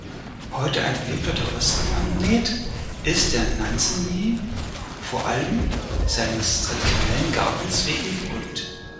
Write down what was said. Heute ein beliebter Touristenmagnet ist der Nanzen-ji vor allem seines traditionellen Gartens wegen berühmt.